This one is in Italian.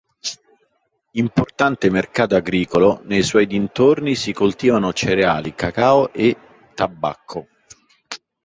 Importante mercato agricolo, nei suoi dintorni si coltivano cereali, cacao e tabacco.